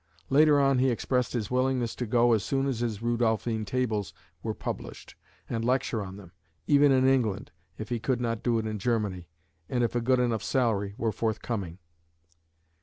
Later on he expressed his willingness to go as soon as his Rudolphine Tables were published, and lecture on them, even in England, if he could not do it in Germany, and if a good enough salary were forthcoming.